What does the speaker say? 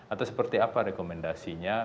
atau seperti apa rekomendasinya